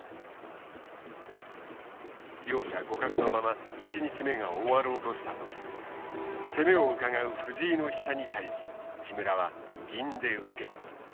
両者互角のまま１日目が終わろうとした時攻めをうかがう藤井の飛車に対し木村は銀で受けた。